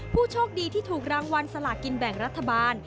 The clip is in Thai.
ผู้โชคดีที่ถูกรางวัลสลากินแบ่งรัฐบาล